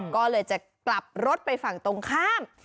ก็เลยจะกลับรถไปฝั่งตรงข้าม